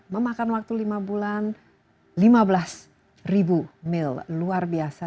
memakan waktu lima bulan lima belas ribu mil luar biasa